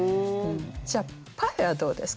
じゃあ「パフェ」はどうですか？